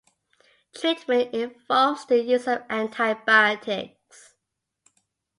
Treatment involves the use of antibiotics.